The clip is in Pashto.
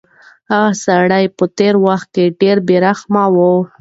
هغه سړی په تېر وخت کې ډېر بې رحمه و.